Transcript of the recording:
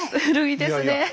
古いですね。